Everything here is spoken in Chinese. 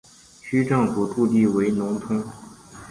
区政府驻地为农通。